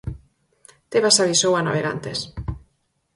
Tebas avisou a navegantes.